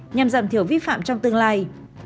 nhằm giảm thiểu vi phạm trong tương lai